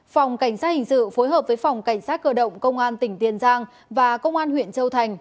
phòng cảnh sát hình sự phối hợp với phòng cảnh sát cơ động công an tỉnh tiền giang và công an huyện châu thành